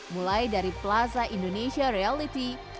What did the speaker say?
mulai dari plaza indonesia reality